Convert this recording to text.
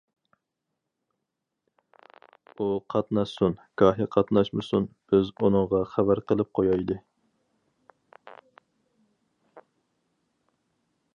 ئۇ قاتناشسۇن، گاھى قاتناشمىسۇن، بىز ئۇنىڭغا خەۋەر قىلىپ قويايلى.